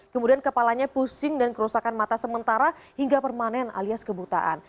kemudian kepalanya pusing dan kerusakan mata sementara hingga permanen alias kebutaan